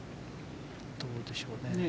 どうでしょうね。